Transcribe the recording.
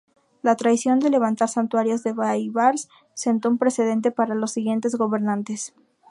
La tradición de levantar santuarios de Baibars sentó un precedente para los siguientes gobernantes.